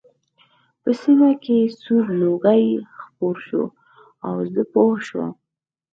په سیمه کې سور لوګی خپور شو او زه پوه شوم